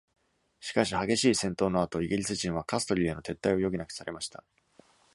しかし、激しい戦闘の後、イギリス人はカストリーへの撤退を余儀なくされました。